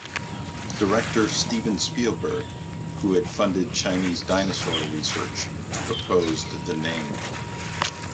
Director Steven Spielberg, who has funded Chinese dinosaur research, proposed the name.